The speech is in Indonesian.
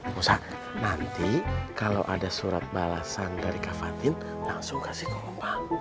musa nanti kalo ada surat balasan dari kak fatin langsung kasih ke om pang